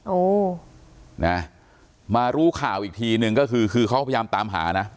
โอ้นะมารู้ข่าวอีกทีนึงก็คือคือเขาพยายามตามหานะ